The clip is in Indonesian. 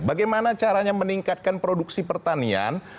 bagaimana caranya meningkatkan produksi pertanian